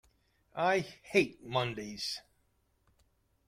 I hate Mondays!